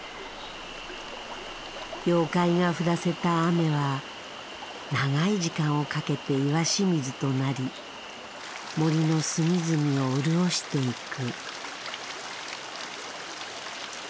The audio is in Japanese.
妖怪が降らせた雨は長い時間をかけて岩清水となり森の隅々を潤していく。